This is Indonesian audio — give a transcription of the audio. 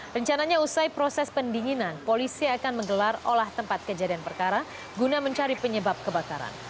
rencananya usai proses pendinginan polisi akan menggelar olah tempat kejadian perkara guna mencari penyebab kebakaran